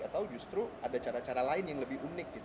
atau justru ada cara cara lain yang lebih unik gitu